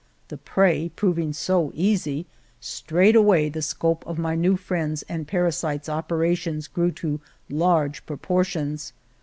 The prey proving so easy, straightway the scope of my new friends' and parasites' operations grew to large pro portions.